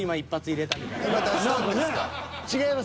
違います。